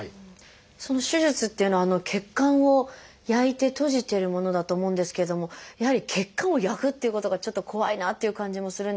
その手術っていうのは血管を焼いて閉じてるものだと思うんですけれどもやはり血管を焼くということがちょっと怖いなっていう感じもするんですが。